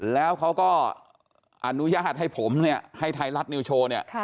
แล้วเขาก็อนุญาตให้ผมเนี่ยให้ไทยรัฐนิวโชว์เนี่ย